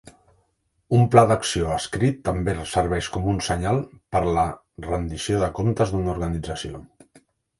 Un pla d'acció escrit també serveix com un senyal per la rendició de comptes d'una organització.